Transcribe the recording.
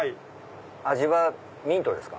味はミントですか？